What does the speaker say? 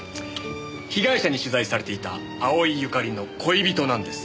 被害者に取材されていた青井由香利の恋人なんです。